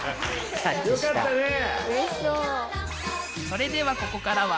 それではここからは